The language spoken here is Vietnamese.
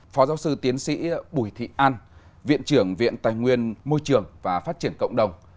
phó giáo sư tiến sĩ bùi thị an viện trưởng viện tài nguyên môi trường và phát triển cộng đồng